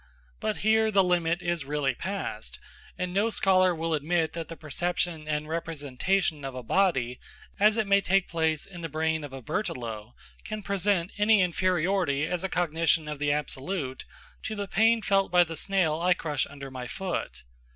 But here the limit is really passed, and no scholar will admit that the perception and representation of a body, as it may take place in the brain of a Berthelot, can present any inferiority as a cognition of the absolute, to the pain felt by the snail I crush under my foot.